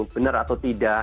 benar atau tidak